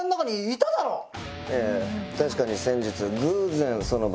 確かに先日。